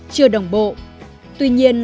chưa đồng bộ tuy nhiên